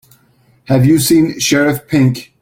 Have you seen Sheriff Pink?